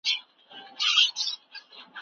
آيا ته د اسمانونو په خلقت کي فکر نه کوې؟